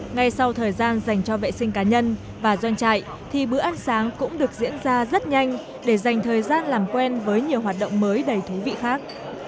ngay sau thời gian dành cho vệ sinh cá nhân và doanh trại thì bữa ăn sáng cũng được diễn ra rất nhanh để dành thời gian làm quen với nhiều hoạt động mới đầy thú vị khác